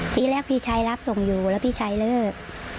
ทีแรกพี่ชายรับส่งอยู่แล้วพี่ชายเลิก